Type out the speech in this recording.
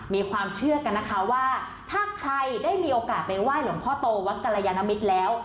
มีความเชื่อกันนะคะว่าถ้าใครได้มีโอกาสไปไหว้หลวงพ่อโตวัดกรยานมิตรแล้ว